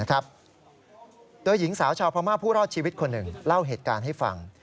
โดยหญิงสาวชาวพม่าผู้รอดชีวิตคนหนึ่งเล่าเหตุการณ์ให้ฟัง